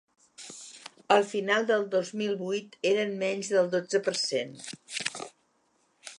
A final del dos mil vuit eren menys del dotze per cent.